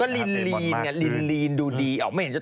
ก็ลินดูดี